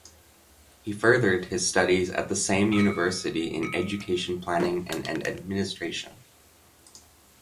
He furthered his studies at the same university in Education Planning and Administration.